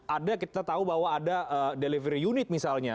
ada kita tahu bahwa ada delivery unit misalnya